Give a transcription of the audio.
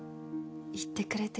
言ってくれて